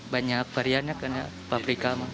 banyak variannya karena paprika